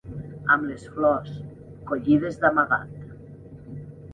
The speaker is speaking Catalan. Amb les flors, collides d'amagat